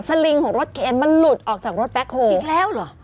ลิงของรถเคนมันหลุดออกจากรถแบ็คโฮอีกแล้วเหรอ